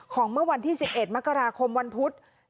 เมื่อวันที่๑๑มกราคมวันพุธ